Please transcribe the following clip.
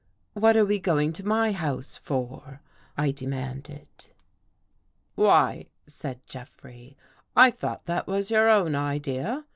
"What are we going to my house for?" I de manded. 199 THE GHOST GIRL "Why," said Jeffrey, "I thought that was your own idea?